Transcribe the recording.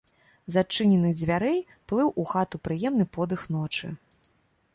З адчыненых дзвярэй плыў у хату прыемны подых ночы.